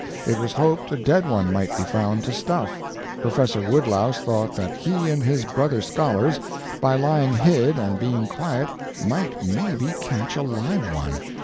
It was hoped a dead one might be found to stuff. Professor Woodlouse thought that he and his brother scholars, by lying hid and being quiet, might maybe catch a live one.